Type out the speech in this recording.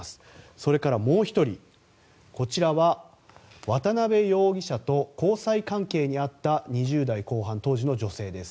それから、もう１人こちらは渡邉容疑者と交際関係にあった当時２０代後半の女性です。